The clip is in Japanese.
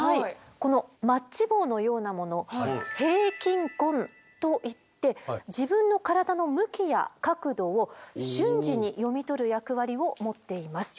このマッチ棒のようなもの平均棍といって自分の体の向きや角度を瞬時に読み取る役割を持っています。